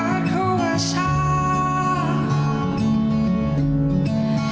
aku masih tersimpan